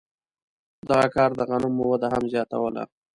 دغه کار د غنمو وده هم زیاتوله.